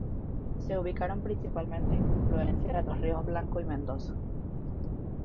Se ubicaron principalmente en confluencia de los ríos Blanco y Mendoza.